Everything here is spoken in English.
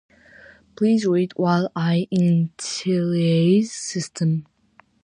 Please wait while I initialize systems!